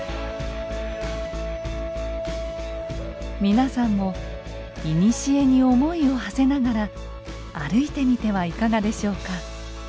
皆さんも古に思いをはせながら歩いてみてはいかがでしょうか。